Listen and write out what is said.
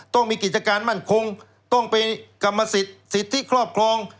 ต้องมีกิจการมั่นคงต้องเป็นกรรมสิทธิครอบครอง